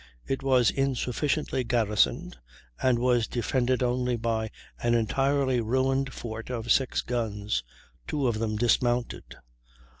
It was insufficiently garrisoned, and was defended only by an entirely ruined fort of 6 guns, two of them dismounted.